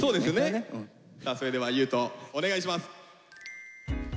さあそれでは優斗お願いします。